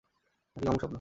নাকি কামুক স্বপ্ন?